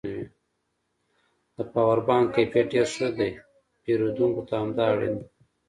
د پاور بانک کیفیت ډېر ښه دی پېرودونکو ته همدا اړین دی